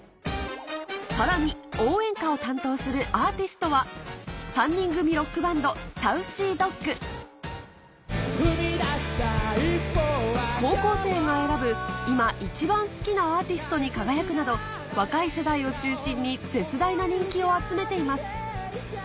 さらに応援歌を担当するアーティストは高校生が選ぶ今一番好きなアーティストに輝くなど若い世代を中心に絶大な人気を集めています